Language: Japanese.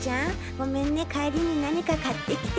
ごめんね帰りに何か買ってきて。